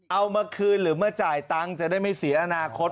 เอามาคืนหรือมาจ่ายตังค์จะได้ไม่เสียอนาคต